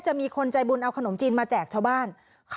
มีคนใจบุญเอาขนมจีนมาแจกชาวบ้าน